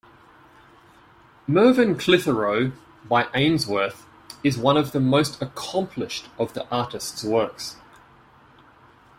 "Mervyn Clitheroe" by Ainsworth is one of the most accomplished of the artist's works.